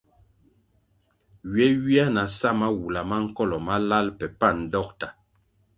Ywe ywia na sa mawula ma nkolo malal pe pan dokta.